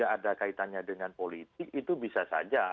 ada kaitannya dengan politik itu bisa saja